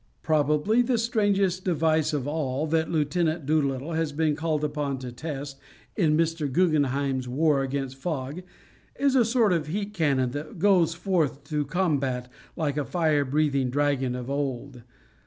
Probably the strangest device of all that Lieut. Doolittle has been called upon to test in Mr. Guggenheim's war against fog is a sort of heat cannon that goes forth to combat like a fire breathing dragon of old.